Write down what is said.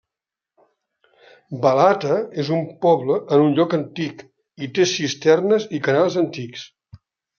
Balata és un poble en un lloc antic, i té cisternes i canals antics.